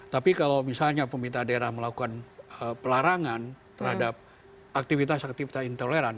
tapi kalau misalnya pemerintah daerah melakukan pelarangan terhadap aktivitas aktivitas intoleran